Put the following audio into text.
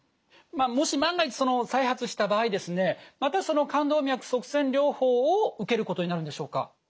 もし万が一再発した場合ですねまたその肝動脈塞栓療法を受けることになるんでしょうか？